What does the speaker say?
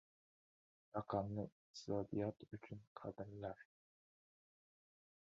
Raqamli iqtisodiyot uchun kadrlar